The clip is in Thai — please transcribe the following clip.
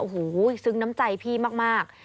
โอ้โหซึ้งน้ำใจพี่มาก